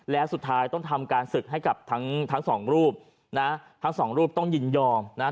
แล้วสุดท้ายต้องทำการศึกให้กับทั้งทั้งสองรูปนะทั้งสองรูปต้องยินยอมนะฮะ